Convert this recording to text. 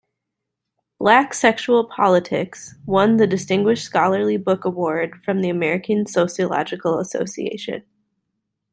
"Black Sexual Politics" won the Distinguished Scholarly Book Award from the American Sociological Association.